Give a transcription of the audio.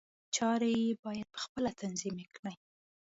چارې یې باید په خپله تنظیم کړي.